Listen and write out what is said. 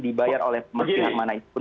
dibayar oleh pemersih manaipun